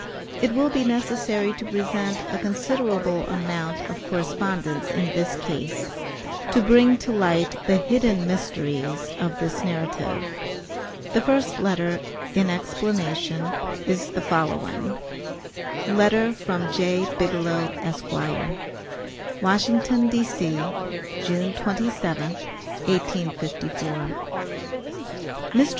It will be necessary to present a considerable amount of correspondence in this case, to bring to light the hidden mysteries of this narrative. The first letter, in explanation, is the following: LETTER FROM J. BIGELOW, ESQ. WASHINGTON, D.C., June 27, 1854. MR.